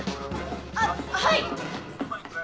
あっはい！